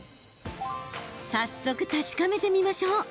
早速、確かめてみましょう。